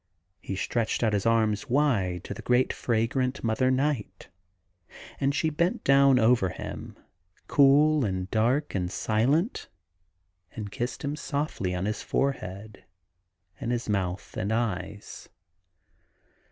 He stretched out his arms wide to the 30 THE GARDEN GOD great, fragrant mother night, and she bent down over him, cool and dark and silent, and kissed him softly on his forehead, and on his mouth and eyes.